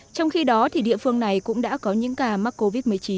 trong khi đó địa phương này cũng đã có những ca mắc covid một mươi chín